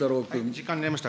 時間になりました。